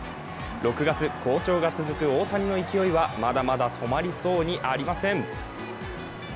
６月好調が続く大谷の勢いはまだまだ止まりそうにありません。